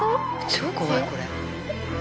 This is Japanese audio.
超怖いこれ。